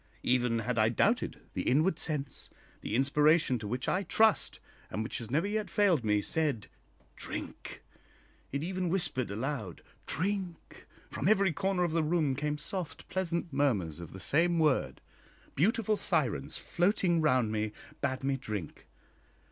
Even had I doubted, the inward sense, the inspiration to which I trust, and which has never yet failed me, said, Drink! It even whispered aloud, Drink! From every corner of the room came soft pleasant murmurs of the same word. Beautiful sirens floating round me bade me drink.